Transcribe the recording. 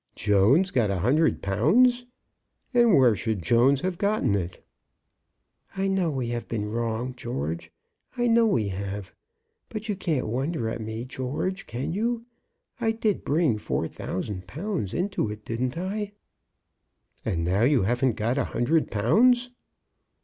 "Jones got a hundred pounds! And where should Jones have gotten it?" "I know we have been wrong, George; I know we have. But you can't wonder at me, George; can you? I did bring four thousand pounds into it; didn't I?" "And now you haven't got a hundred pounds!"